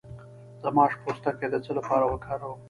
د ماش پوستکی د څه لپاره وکاروم؟